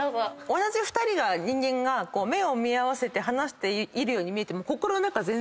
同じ２人が目を見合わせて話しているように見えても。